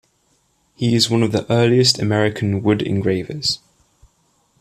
He is one of the earliest American wood-engravers.